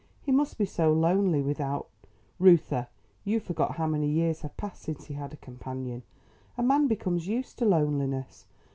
He must be so lonely without " "Reuther, you forget how many years have passed since he had a companion. A man becomes used to loneliness.